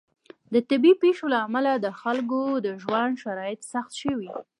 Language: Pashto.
د طبیعي پیښو له امله د خلکو د ژوند شرایط سخت شوي.